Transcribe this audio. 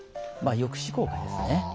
抑止効果ですね。